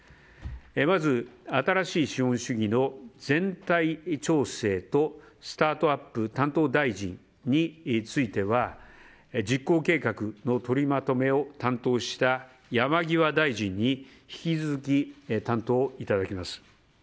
まず新しい資本主義の全体調整とスタートアップ担当大臣については実行計画の取りまとめを担当した山際大臣に引き続き担当いただきます。